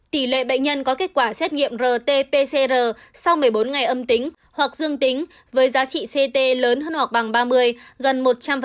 tỷ lệ bệnh nhân có kết quả xét nghiệm rt pcr sau một mươi bốn ngày âm tính hoặc dương tính với giá trị ct lớn hơn hoặc bằng ba mươi gần một trăm linh